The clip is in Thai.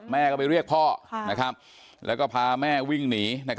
แม่ก็ไปเรียกพ่อแล้วก็พาแม่วิ่งหนี